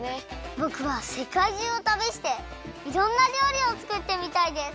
ぼくはせかいじゅうをたびしていろんなりょうりをつくってみたいです。